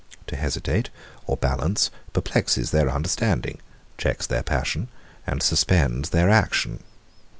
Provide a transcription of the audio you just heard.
To hesitate or balance perplexes their understanding, checks their passion, and suspends their action.